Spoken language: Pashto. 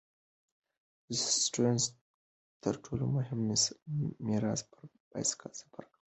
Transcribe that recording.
سټيونز تر ټولو مهم میراث پر بایسکل سفر کول ګڼل.